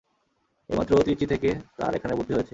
এইমাত্র ত্রিচি থেকে তার এখানে বদলি হয়েছে।